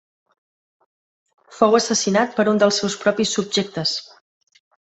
Fou assassinat per un dels seus propis subjectes.